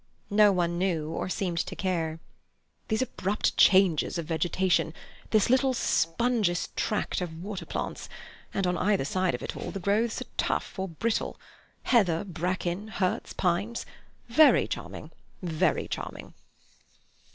No one knew, or seemed to care. "These abrupt changes of vegetation—this little spongeous tract of water plants, and on either side of it all the growths are tough or brittle—heather, bracken, hurts, pines. Very charming, very charming."